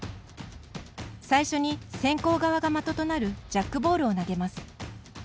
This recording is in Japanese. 最初に、先攻側が的となるジャックボールを投げます。